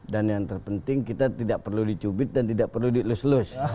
dan yang terpenting kita tidak perlu dicubit dan tidak perlu dielus elus